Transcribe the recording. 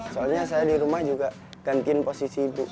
soalnya saya di rumah juga gantiin posisi ibu